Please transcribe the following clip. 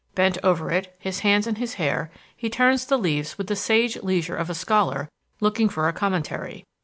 Bent over it, his hands in his hair, he turns the leaves with the sage leisure of a scholar looking for a commentary.